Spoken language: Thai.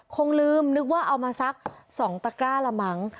คงลืมนึกว่าเอามาสัก๒ตะกร้าละมั้ง